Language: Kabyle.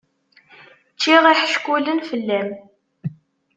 Ččiɣ iḥeckulen fell-am.